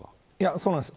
そうなんです。